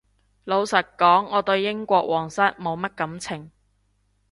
老實講我對英國皇室冇乜感情